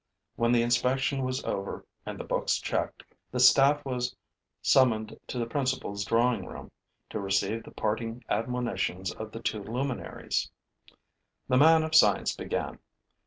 When the inspection was over and the books checked, the staff was summoned to the principal's drawing room, to receive the parting admonitions of the two luminaries. The man of science began.